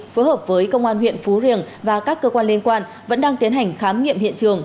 phối hợp với công an huyện phú riềng và các cơ quan liên quan vẫn đang tiến hành khám nghiệm hiện trường